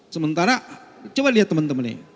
sementara coba lihat teman teman ini